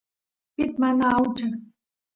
pit mana aucha